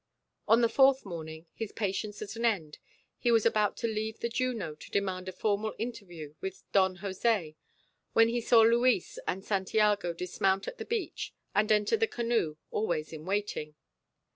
On the fourth morning, his patience at an end, he was about to leave the Juno to demand a formal interview with Don Jose when he saw Luis and Santiago dismount at the beach and enter the canoe always in waiting.